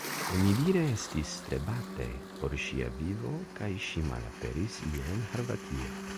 Onidire estis strebate por ŝia vivo kaj ŝi malaperis ie en Ĥarvatio.